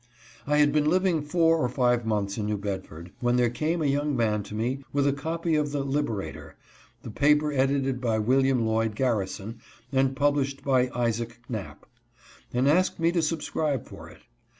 I had been living four or five months in New Bedford when there came a young man to me with a copy of the Liberator, the paper edited by William Lloyd Garri son and published by Isaac Knapp, and asked me to subscribe for it.